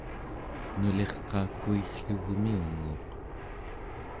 nulirqa kuigglugmiunguuq